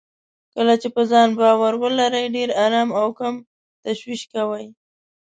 کله چې په ځان باور ولرئ، ډېر ارام او کم تشويش کوئ.